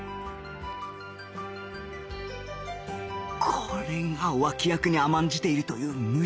これが脇役に甘んじているという矛盾